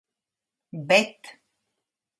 Bet...